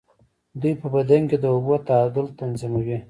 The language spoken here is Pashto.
دوی په بدن کې د اوبو تعادل تنظیموي.